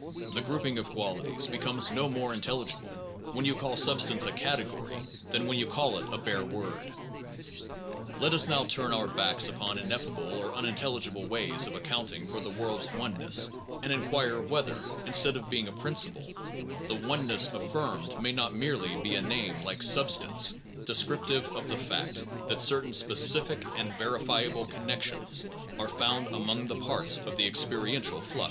The grouping of qualities be comes no more intelligible when you call sub stance a category than when you call it a bare word. Let us now turn our backs upon ineffable or unintelligible ways of accounting for the Pragmatic world s oneness, and inquire whether, analysis of oneness instead of being a principle, the one ness affirmed may not merely be a name like substance, descriptive of the fact that certain specific and verifiable connections are found among the parts of the experiential flux.